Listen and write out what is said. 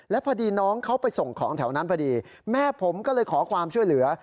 แล้วพอดีน้องเขาไปส่งของแถวนั้นพอดีแม่ผมก็เลยขอความช่วยเหลือ